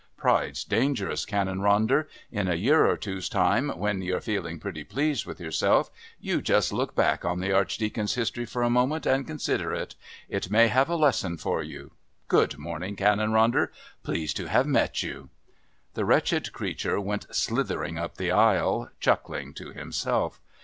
Pride's dangerous, Canon Ronder. In a year or two's time, when you're feeling pretty pleased with yourself, you just look back on the Archdeacon's history for a moment and consider it. It may have a lesson for you. Good morning, Canon Ronder. Pleased to have met you." The wretched creature went slithering up the aisle, chuckling to himself.